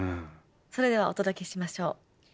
それではお届けしましょう。